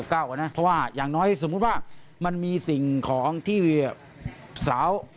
เพราะว่าอย่างน้อยสมมุติว่ามันมีสิ่งของที่สาว